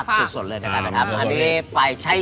ฟายแดงนะครับตอนนี้